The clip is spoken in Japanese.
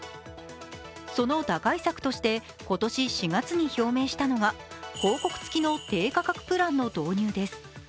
その打開策として、今年４月に表明したのが広告付きの低価格プランの導入です。